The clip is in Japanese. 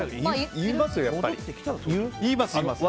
言います。